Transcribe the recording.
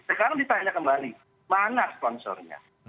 sekarang ditanya kembali mana sponsornya